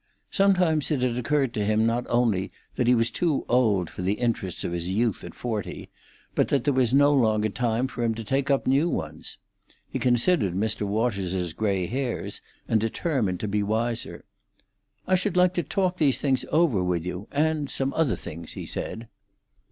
Sometimes it had occurred to him not only that he was too old for the interests of his youth at forty, but that there was no longer time for him to take up new ones. He considered Mr. Waters's grey hairs, and determined to be wiser. "I should like to talk these things over with you—and some other things," he said.